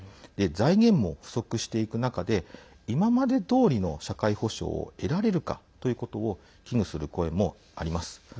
財源も不足していく中で今までどおりの社会保障を得られるかということを危惧する声もあります。